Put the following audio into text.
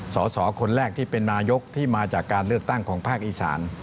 สอสอคนแรกที่เป็นนายกที่มาจากการเลือกตั้งของภาคอีสาน